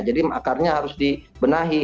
jadi akarnya harus dibenahi